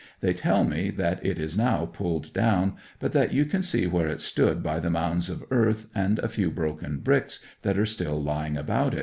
They tell me that it is now pulled down, but that you can see where it stood by the mounds of earth and a few broken bricks that are still lying about.